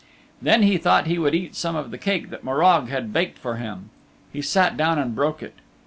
Then he thought he would eat some of the cake that Morag had baked for him. He sat down and broke it.